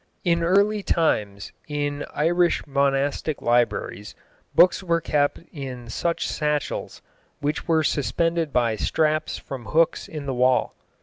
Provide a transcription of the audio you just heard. In early times, in Irish monastic libraries, books were kept in such satchels, which were suspended by straps from hooks in the wall.